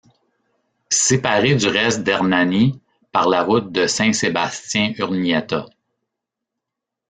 Séparé du reste d'Hernani par la route de Saint-Sébastien-Urnieta.